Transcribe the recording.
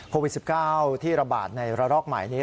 โควิด๑๙ที่ระบาดในระลอกใหม่นี้